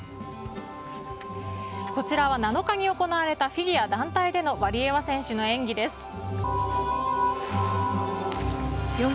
こちらは７日に行われたフィギュア団体でのワリエワ選手の演技です。